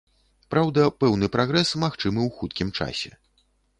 Праўда, пэўны прагрэс магчымы ў хуткім часе.